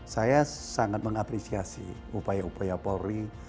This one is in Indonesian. saya sangat mengapresiasi upaya upaya polri